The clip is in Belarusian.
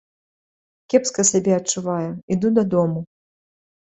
Кепска сябе адчуваю, іду дадому.